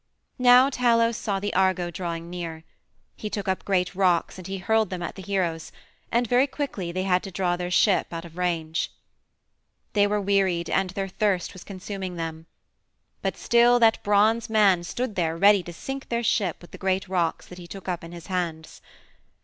Now Talos saw the Argo drawing near. He took up great rocks and he hurled them at the heroes, and very quickly they had to draw their ship out of range. They were wearied and their thirst was consuming them. But still that bronze man stood there ready to sink their ship with the great rocks that he took up in his hands.